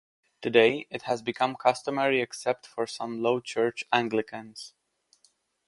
Today, it has become customary except for some Low Church Anglicans.